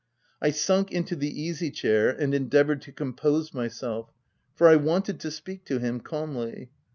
I sunk into the easy chair and endeavoured to compose myself, for I wanted to speak to him calmly.